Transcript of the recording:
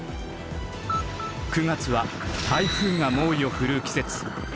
９月は台風が猛威を振るう季節。